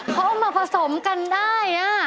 เขามาผสมกันได้